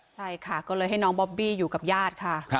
ใช่ค่ะก็เลยให้น้องบอบบี้อยู่กับญาติค่ะ